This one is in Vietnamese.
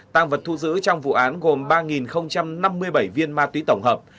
tăng vật thu giữ trong vụ án gồm ba năm mươi bảy viên ma túy tổng hợp